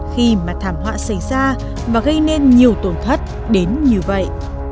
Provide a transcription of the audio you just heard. khi mà thảm họa xảy ra và gây nên nhiều tổn thất đến như vậy